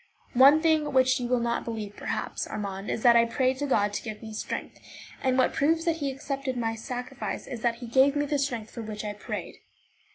One thing which you will not believe, perhaps, Armand, is that I prayed God to give me strength; and what proves that he accepted my sacrifice is that he gave me the strength for which I prayed.